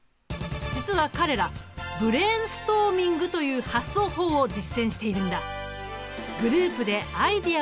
実は彼らブレーンストーミングという発想法を実践しているんだ。